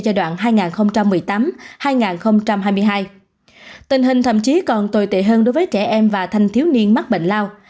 giai đoạn hai nghìn một mươi tám hai nghìn hai mươi hai tình hình thậm chí còn tồi tệ hơn đối với trẻ em và thanh thiếu niên mắc bệnh lao